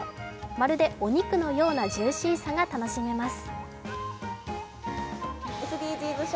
まるでお肉のようなジューシーさが楽しめます。